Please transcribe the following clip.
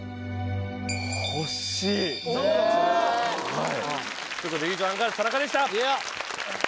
え！ということで以上アンガールズ・田中でした。